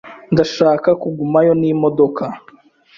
Ndashaka kugumayo n’imodoka.